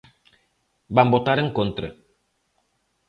Van votar en contra.